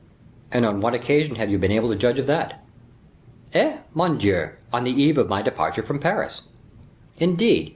"And on what occasion have you been able to judge of that?" "Eh! mon Dieu! on the eve of my departure from Paris." "Indeed!